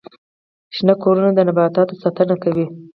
شنه کورونه د نباتاتو ساتنه کوي